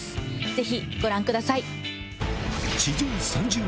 ぜひご覧ください。